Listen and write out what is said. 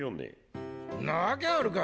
んなわけあるか。